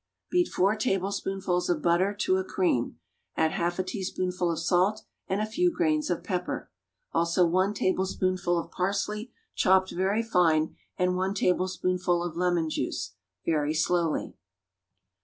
= Beat four tablespoonfuls of butter to a cream; add half a teaspoonful of salt and a few grains of pepper, also one tablespoonful of parsley, chopped very fine, and one tablespoonful of lemon juice, very slowly.